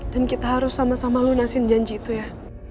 dan kita harus sama sama lunasin janji itu ya